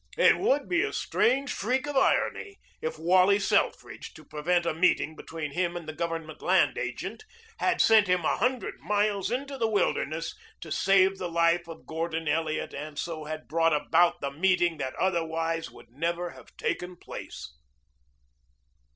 It would be a strange freak of irony if Wally Selfridge, to prevent a meeting between him and the Government land agent, had sent him a hundred miles into the wilderness to save the life of Gordon Elliot and so had brought about the meeting that otherwise would never have taken place.